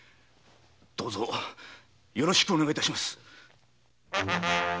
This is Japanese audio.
どうぞよろしくお願い致します。